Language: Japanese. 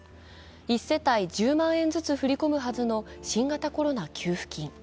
１世帯１０万円ずつ振り込むはずの新型コロナ給付金。